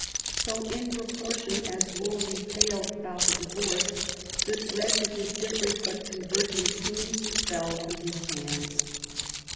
So in proportion as Wolsey failed about the divorce, ^180 THOMAS WOLSEY chap. the threads of his different but converging schemes fell from his hands.